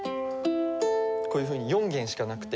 こういうふうに４弦しかなくて。